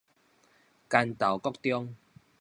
關渡國中